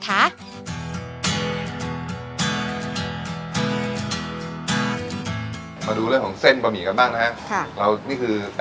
มาดูเรื่องของเส้นบะหมี่กันบ้างนะครับ